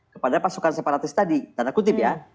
kepada pasukan separatis tadi tanda kutip ya